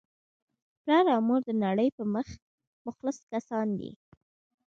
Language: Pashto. پلار او مور دنړۍ په مخ مخلص کسان دي